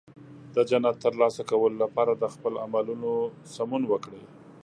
د جنت ترلاسه کولو لپاره د خپل عملونو سمون وکړئ.